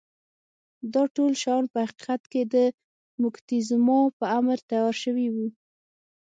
دا ټول شیان په حقیقت کې د موکتیزوما په امر تیار شوي وو.